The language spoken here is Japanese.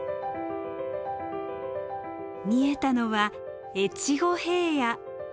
見えたのは越後平野。